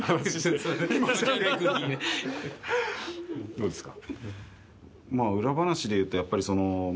どうですか？